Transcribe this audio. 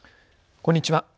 こんにちは。